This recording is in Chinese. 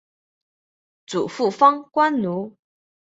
祖父方关奴。